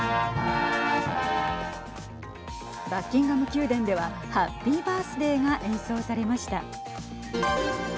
バッキンガム宮殿ではハッピー・バースデーが演奏されました。